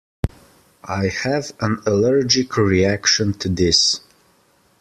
I have an allergic reaction to this.